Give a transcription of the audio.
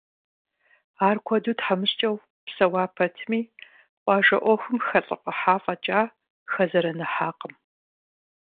Ар куэду тхьэмыщкӏэу псэуа пэтми, къуажэ ӏуэхум хэлӏыфӏыхьа фӏэкӏа, хэзэрэныхьакъым.